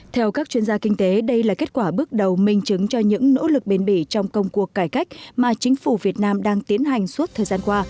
theo các chuyên gia kinh tế đây là kết quả bước đầu minh chứng cho những nỗ lực bền bỉ trong công cuộc cải cách mà chính phủ việt nam đang tiến hành suốt thời gian qua